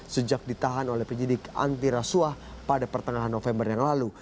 sejak ditahan oleh penyidik anti rasuah pada pertengahan november yang lalu